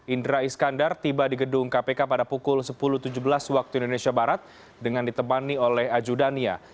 indra iskandar tiba di gedung kpk pada pukul sepuluh tujuh belas waktu indonesia barat dengan ditemani oleh ajudannya